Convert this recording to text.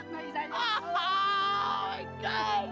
baik saja bang paul